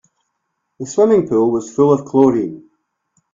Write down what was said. The swimming pool was full of chlorine.